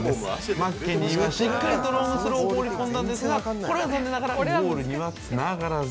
マッケニーは、しっかりとロングスローを放り込んだんですがこれは残念ながらゴールにはつながらず。